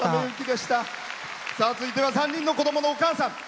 続いては３人の子供のお母さん。